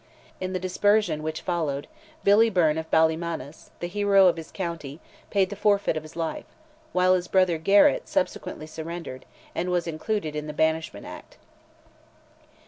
In the dispersion which followed, "Billy Byrne of Ballymanus," the hero of his county, paid the forfeit of his life; while his brother, Garrett, subsequently surrendered, and was included in the Banishment Act.